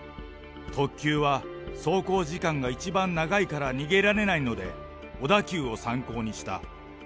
特急は走行時間が一番長いから逃げられないので、小田急を参考にした。